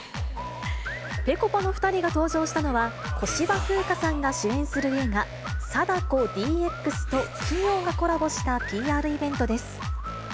ぺこぱの２人が登場したのは、小芝風花さんが主演する映画、貞子ＤＸと企業がコラボしたＰＲイベントです。